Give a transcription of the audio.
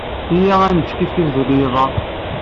Iyya ad nečč kifkif deg yiḍ-a.